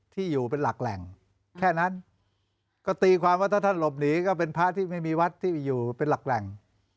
ที่อยู่เป็นหลักแหล่งแค่นั้นก็ตีความว่าถ้าท่านหลบหนีก็เป็นพระที่ไม่มีวัดที่อยู่เป็นหลักแหล่ง